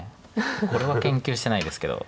これは研究してないですけど。